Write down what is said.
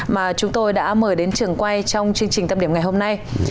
mà chúng tôi đã mời đến trường quay trong chương trình tâm điểm ngày hôm nay